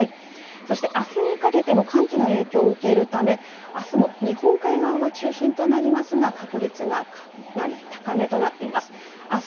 そして、あすにかけても寒気の影響を受けるためあすも日本海側が中心となりますが確率が高めとなっています。